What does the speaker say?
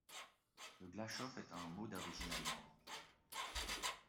Le Glashof est un mot d'origine allemande.